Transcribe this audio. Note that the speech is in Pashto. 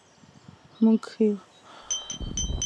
مونږ ښه یو